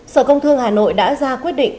sở công thương hà nội đã ra quyết định